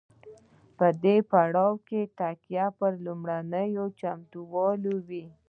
په دې پړاو کې تکیه پر لومړنیو چمتووالو وي.